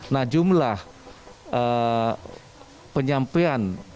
nah jumlah penyampaian